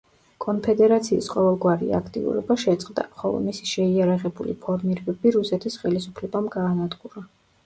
კონფედერაციის ყოველგვარი აქტიურობა შეწყდა, ხოლო მისი შეიარაღებული ფორმირებები რუსეთის ხელისუფლებამ გაანადგურა.